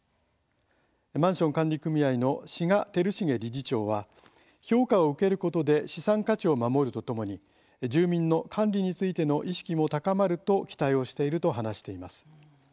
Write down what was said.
マンション管理組合の志賀昭成理事長は「評価を受けることで資産価値を守るとともに住民の管理についての意識も高まると期待をしている」と話しています。